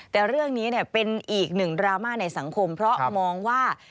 แต่เรื่องนี้เป็นอีกหนึ่งดราม่าในสังคมเพราะมองว่า